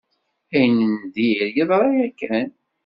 Ayen n dir yeḍra yakan.